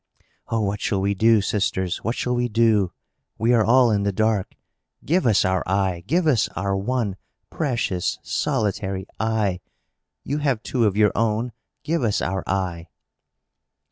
"Oh, what shall we do, sisters? what shall we do? We are all in the dark! Give us our eye! Give us our one, precious, solitary eye! You have two of your own! Give us our eye!"